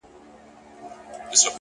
هر منزل د ژمنتیا غوښتنه کوي!.